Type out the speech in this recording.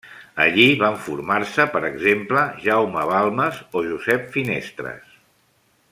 Allí van formar-se, per exemple, Jaume Balmes o Josep Finestres.